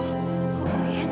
aku harus keluar dari sini